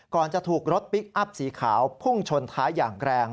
จะถูกรถพลิกอัพสีขาวพุ่งชนท้ายอย่างแรง